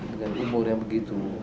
dengan umur yang begitu